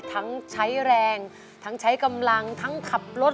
ทั้งใช้แรงทั้งใช้กำลังทั้งขับรถ